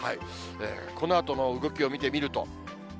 このあとの動きを見てみると。